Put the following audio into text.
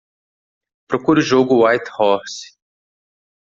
Procure o jogo Whitehorse